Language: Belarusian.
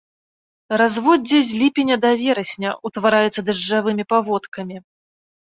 Разводдзе э ліпеня да верасня, утвараецца дажджавымі паводкамі.